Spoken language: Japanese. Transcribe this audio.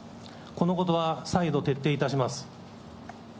このことは再度徹底いたします。